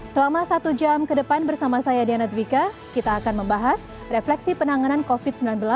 selama satu jam ke depan bersama saya diana dwiqa kita akan membahas refleksi penanganan covid sembilan belas